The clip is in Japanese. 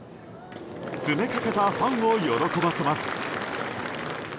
詰めかけたファンを喜ばせます。